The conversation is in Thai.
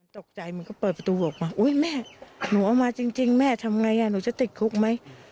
ตกใจมันก็เปิดประตูบอกมาอุ๊ยแม่หนูเอามาจริงแม่ทำไงหนูจะติดคุกไหม